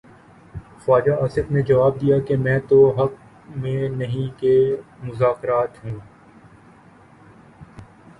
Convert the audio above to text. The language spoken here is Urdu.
خواجہ آصف نے جواب دیا کہ میں تو حق میں نہیں کہ مذاکرات ہوں۔